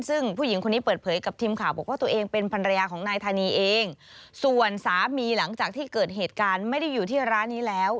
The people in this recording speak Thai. ซึ่งผู้หญิงคนนี้เปิดเผยกับทีมข่าวบอกว่าตัวเองเป็นภรรยาของนายธานีเองส่วนสามีหลังจากที่เกิดเหตุการณ์ไม่ได้อยู่ที่ร้านนี้แล้ว